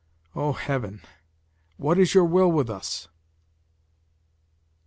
O, Heaven! what is your will with us?"